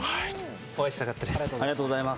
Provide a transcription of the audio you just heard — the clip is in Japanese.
お会いしたかったです。